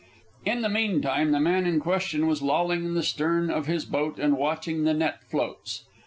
In the meantime, the man in question was lolling in the stern of his boat and watching the net floats.